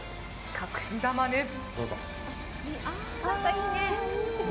隠し球です。